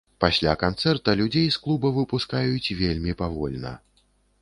Пасля канцэрта людзей з клуба выпускаюць вельмі павольна.